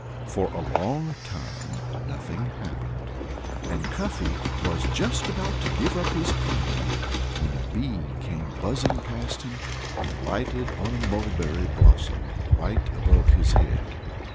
For a long time nothing happened. And Cuffy was just about to give up his plan when a bee came buzzing past him and lighted on a mulberry blossom right above his head.